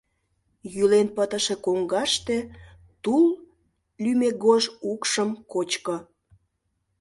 Йӱлен пытыше коҥгаште тул лӱмегож укшым кочко.